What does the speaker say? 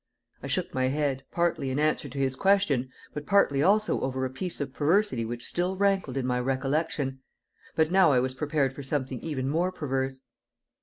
I shook my head, partly in answer to his question, but partly also over a piece of perversity which still rankled in my recollection. But now I was prepared for something even more perverse.